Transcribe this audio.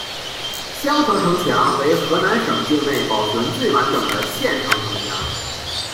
襄城城墙为河南省境内保存最完整的县城城墙。